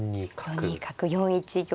４二角４一玉に。